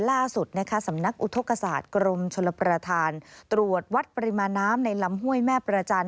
ล่าสุดนะคะสำนักอุทธกษาตกรมชลประธานตรวจวัดปริมาณน้ำในลำห้วยแม่ประจันท